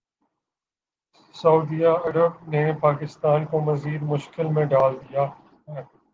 سعودی Arab نے پاکستان کو مزید مشکل میں ڈال دیا ہے